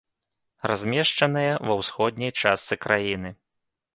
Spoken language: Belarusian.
Размешчаная ва ўсходняй частцы краіны.